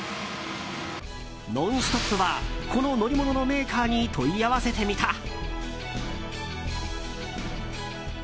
「ノンストップ！」はこの乗り物のメーカーに問い合わせてみた。